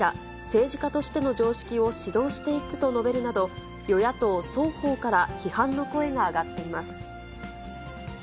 政治家としての常識を指導していくと述べるなど、与野党双方から、批判の声が上がっています。